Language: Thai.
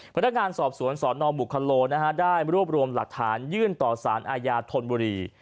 พนักงานสอบสวนสนบุคโลได้รวบรวมหลักฐานยื่นต่อสารอาญาธนบุรี